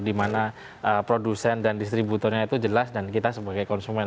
dimana produsen dan distributornya itu jelas dan kita sebagai konsumen